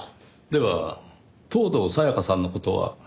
では東堂沙耶香さんの事は？